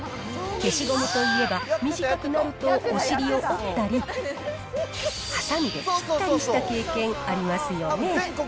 消しゴムといえば短くなるとお尻を折ったり、はさみで切ったりした経験ありますよね。